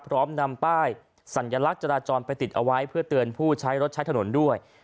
พร้อมนำป้ายสัญลักษณ์จราจรไปติดเอาไว้เพื่อเตือนผู้ใช้รถใช้ถนนด้วย